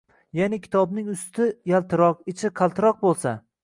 ya’ni kitobning usti yaltiroq, ichi qaltiroq bo‘lsa